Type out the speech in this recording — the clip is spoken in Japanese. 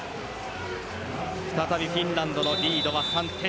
再びフィンランドのリードは３点。